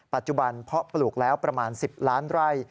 เพาะปลูกแล้วประมาณ๑๐ล้านไร่